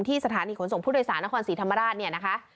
สถานีขนส่งผู้โดยสารนครศรีธรรมราชเนี่ยนะคะ